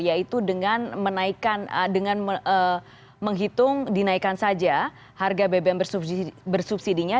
yaitu dengan menghitung dinaikkan saja harga bbm bersubsidinya